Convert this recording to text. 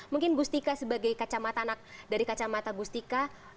mungkin gustika sebagai kacamata anak dari kacamata gustika